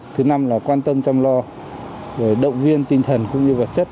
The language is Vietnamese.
thứ năm là quan tâm chăm lo rồi động viên tinh thần cũng như vật chất